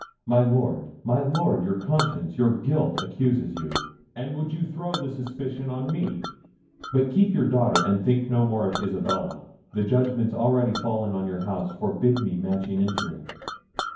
My Lord, my Lord, your conscience, your guilt accuses you, and would throw the suspicion on me; but keep your daughter, and think no more of Isabella. The judgments already fallen on your house forbid me matching into it."